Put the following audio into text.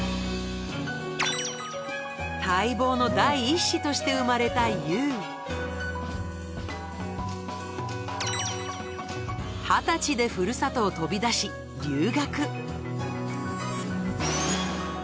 待望の第１子として生まれたＹＯＵ二十歳でふるさとを飛び出し留学